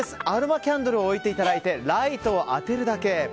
アロマキャンドルを置いていただいてライトを当てるだけ。